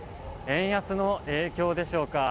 円安の影響でしょうか。